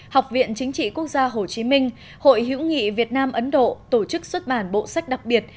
học viện chính trị quốc gia hồ chí minh hội hữu nghị việt nam ấn độ tổ chức xuất bản bộ sách đặc biệt